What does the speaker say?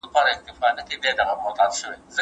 د مالدارۍ محصولات چیرته پلورل کیږي؟